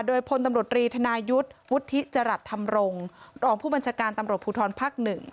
โดยพลตำรวจรีธนายุทธ์วุฒิจรัสธรรมรงค์รองผู้บัญชาการตำรวจภูทรภักดิ์๑